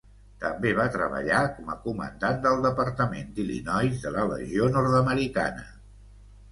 També va treballar com a comandant del departament d'Illinois de la Legió nord-americana.